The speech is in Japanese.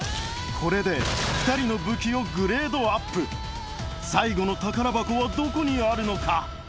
これで２人の武器をグレードアップ最後の宝箱はどこにあるのか？